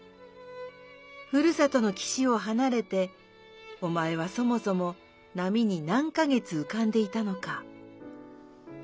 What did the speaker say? ふるさとの岸をはなれておまえはそもそも波になんか月うかんでいたのか。